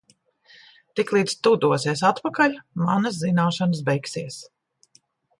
Tiklīdz tu dosies atpakaļ, manas zināšanas beigsies.